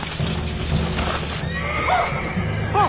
あっ！